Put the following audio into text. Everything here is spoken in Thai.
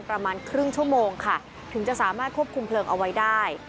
ประมาณครึ่งชั่วโมงค่ะถึงจะสามารถควบคุมเพลิงเอาไว้ได้